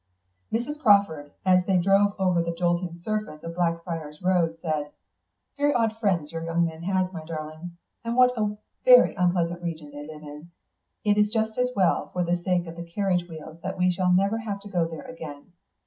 Mrs. Crawford, as they drove over the jolting surface of Blackfriars' Road, said, "Very odd friends your young man has, darling. And what a very unpleasant region they live in. It is just as well for the sake of the carriage wheels that we shall never have to go there again.